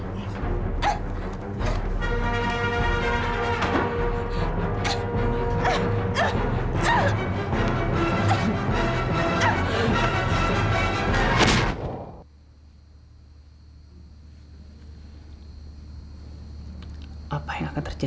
tidak ada yang bisa dikira